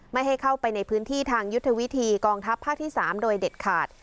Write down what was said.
ไม่ให้เข้าไปในพื้นที่ทางยุทธวิธีกองทัพภาคที่๓โดยเด็ดขาด